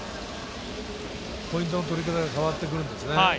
ポイントの取り方で変わってくるんです。